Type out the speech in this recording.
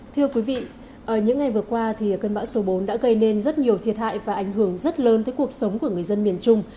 thưa quý vị những ngày vừa qua cơn bão số bốn đã gây nên rất nhiều thiệt hại và ảnh hưởng rất lớn tới cuộc sống của người dân miền trung